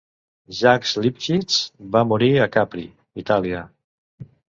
Jacques Lipchitz va morir a Capri, Itàlia.